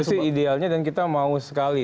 itu sih idealnya dan kita mau sekali